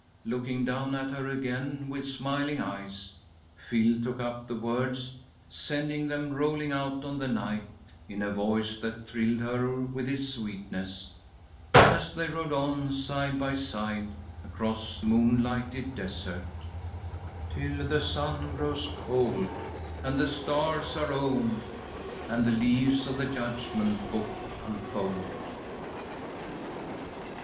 Looking down at her again with smiling eyes, Phil took up the words, sending them rolling out on the night in a voice that thrilled her with its sweetness, as they rode on side by side across moonlighted desert: "_Till the sun grows cold, And the stars are old, And the leaves of the Judgment Book unfold!